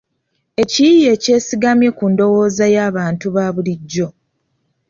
Ekiyiiye ekyesigamye ku ndowooza y'abantu ba bulijjo.